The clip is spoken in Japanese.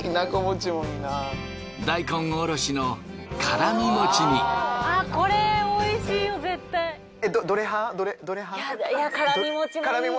大根おろしのからみ餅に。